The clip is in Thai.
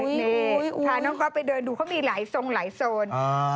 นี่พาน้องก๊อฟไปเดินดูเขามีหลายทรงหลายโซน